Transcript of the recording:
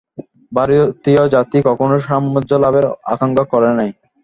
ভারতীয় জাতি কখনও সাম্রাজ্য-লাভের আকাঙ্ক্ষা করে নাই।